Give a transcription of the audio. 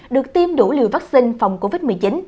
được tiêm đủ liều vaccine phòng covid một mươi chín